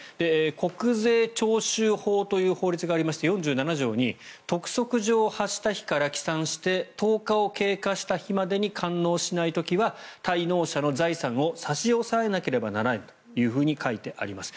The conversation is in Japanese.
国税徴収法という法律がありまして４７条に督促状を発した日から起算して１０日を経過した日までに完納しない時は滞納者の財産を差し押さえなければならないと書いてあります。